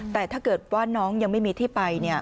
แต่ถ้าเกิดว่าน้องยังไม่มีที่ไป